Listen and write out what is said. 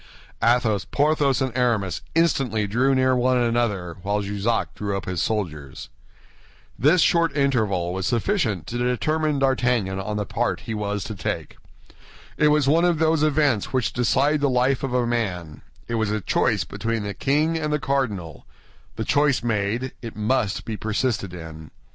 Athos, Porthos, and Aramis instantly drew near one another, while Jussac drew up his soldiers. This short interval was sufficient to determine D'Artagnan on the part he was to take. It was one of those events which decide the life of a man; it was a choice between the king and the cardinal—the choice made, it must be persisted in.